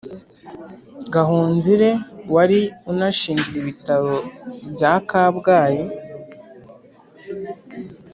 gahonzire, wari unashinzwe ibitaro bya kabgayi.